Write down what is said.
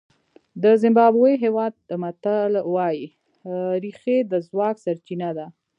د زیمبابوې هېواد متل وایي رېښې د ځواک سرچینه ده.